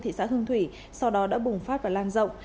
thị xã hương thủy sau đó đã bùng phát và lan rộng